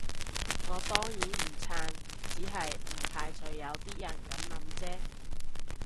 我當然唔撐，只係唔排除有啲人噉諗啫